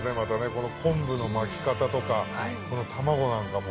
この昆布の巻き方とかこの玉子なんかも。